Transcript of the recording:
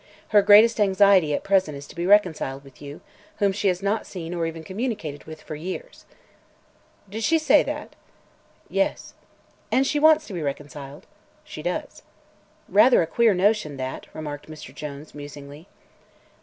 Her greatest anxiety at present is to be reconciled with you, whom she has not seen or even communicated with for years." "Did she say that?" "Yes." "And she wants to be reconciled?" "She does." "Rather a queer notion, that," remarked Mr. Jones, musingly.